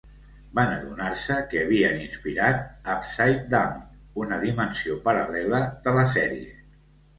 Van adonar-se que havien inspirat Upside Down, una dimensió paral·lela de la sèrie.